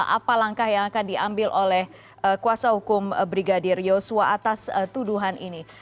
apa langkah yang akan diambil oleh kuasa hukum brigadir yosua atas tuduhan ini